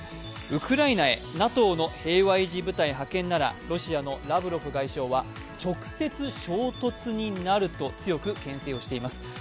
ウクライナへ、ＮＡＴＯの平和維持部隊派遣ならロシアのラブロフ外相は直接衝突になると強く牽制をしています。